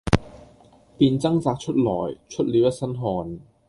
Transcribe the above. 便掙扎出來，出了一身汗。